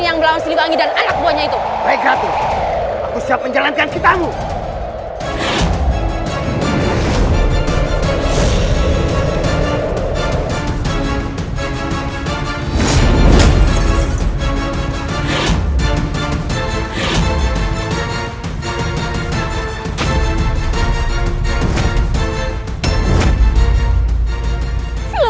yang melawan siluangi dan anak buahnya itu mereka tuh aku siap menjalankan kitabmu